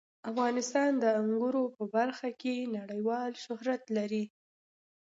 افغانستان د انګورو په برخه کې نړیوال شهرت لري.